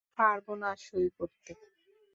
পারব না সই করতে।